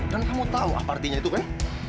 dan kamu tahu apa artinya itu kan